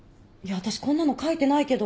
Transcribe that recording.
私こんなの書いてないけど。